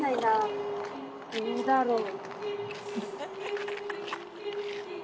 どうだろう？